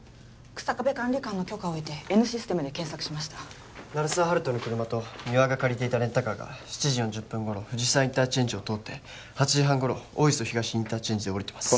日下部管理官の許可を得てＮシステムで検索しました鳴沢温人の車と三輪が借りていたレンタカーが７時４０分頃藤沢インターチェンジを通って８時半頃大磯東インターチェンジで降りてます